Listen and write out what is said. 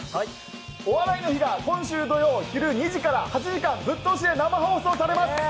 「お笑いの日」が今週昼２時から８時間ぶっ通しで生放送されます。